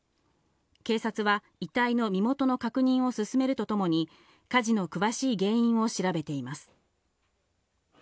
警察は遺体の身元の確認を進めるとともに、家事の詳しい原因を調べています。